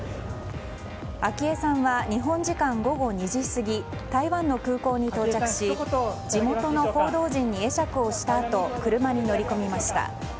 昭恵さんは日本時間午後２時過ぎ台湾の空港に到着し地元の報道陣に会釈をしたあと車に乗り込みました。